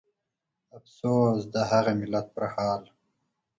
افسوس د هغه ملت پرحال